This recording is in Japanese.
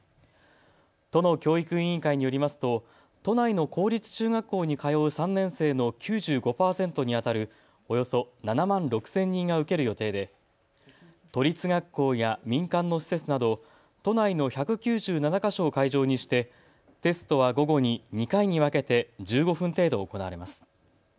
都の教育委員会によりますと都内の公立中学校に通う３年生の９５％にあたるおよそ７万６０００人が受ける予定で都立学校や民間の施設など都内の１９７か所を会場にしてテストは午後に２回に分けて１５分程度行われます。